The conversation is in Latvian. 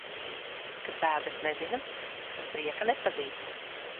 Kas bēdas nezina, tas prieka nepazīst.